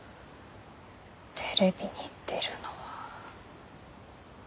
テレビに出るのは。